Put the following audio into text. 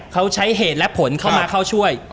เขาใช้เหตุและผลเข้ามาเข้าช่วย